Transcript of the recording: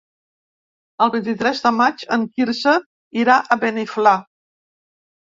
El vint-i-tres de maig en Quirze irà a Beniflà.